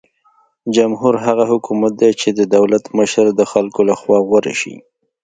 جمهور هغه حکومت دی چې د دولت مشره د خلکو لخوا غوره شي.